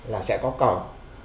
là sẽ có cầu